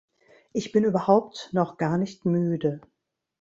Ich bin überhaupt noch gar nicht müde.